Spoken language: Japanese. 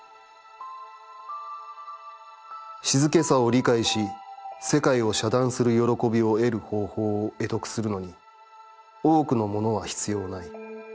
静けさを理解し、世界を遮断する悦びを得る方法を会得するのに、多くのものは必要ない。